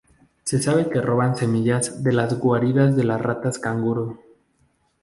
Se sabe que roban semillas de las guaridas de las ratas canguro.